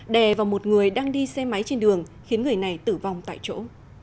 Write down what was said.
đè vào một người đang đi xe máy trên đường khiến người này tử vong tại chỗ